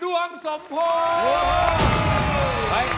ดวงสมโพธิ์